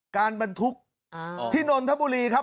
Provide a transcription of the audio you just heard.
รถบรรทุกที่นนทบุรีครับ